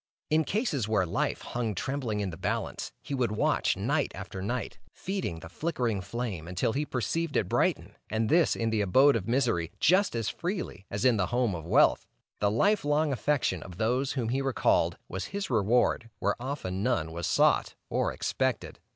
In cases where life hung trembling in the balance, he would watch night after night, feeding the flickering flame until he perceived it brighten, and this in the abode of misery just as freely as in the home of wealth. The life long affection of those whom he recalled, was his reward where often none was sought or expected.